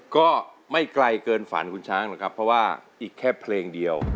ก็ไม่ไกลเกินฝันคุณช้างหรอกครับเพราะว่าอีกแค่เพลงเดียว